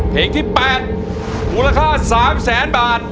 เพลงที่๘มูลค่า๓แสนบาท